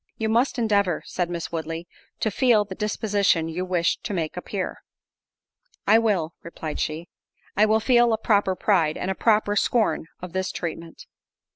"You must endeavour," said Miss Woodley, "to feel the disposition you wish to make appear." "I will," replied she, "I will feel a proper pride—and a proper scorn of this treatment."